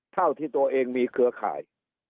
เท่าที่ตัวเองมีเครือข่าย